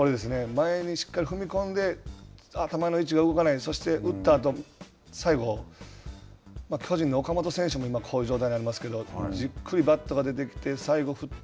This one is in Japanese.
前にしっかり踏み込んで、球の位置が動かない、そして打ったあと、最後、巨人の岡本選手もこういう状態にありますけど、じっくりバットが出てきて、最後振って。